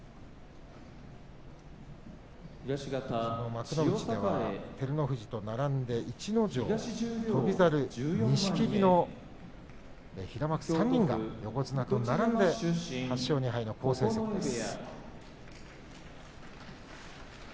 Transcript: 幕内では照ノ富士と並んで逸ノ城、翔猿、錦木という平幕初平幕３人が横綱と並んで８勝２敗の好成績です。